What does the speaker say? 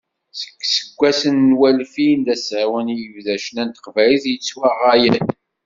Seg iseggasen n walfin d asawen i yebda ccna n teqbaylit yettwaɣay.